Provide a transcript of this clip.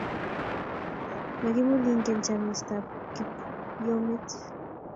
Mokimulenge chamastab kipyomet